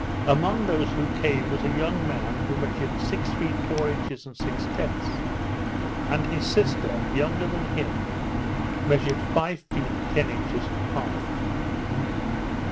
Among those who came was a young man who measured six feet four inches and six tenths; and his sister, younger, than him, measured five feet ten inches and a half.